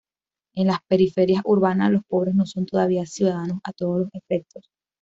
En las periferias urbanas los pobres no son todavía ciudadanos a todos los efectos.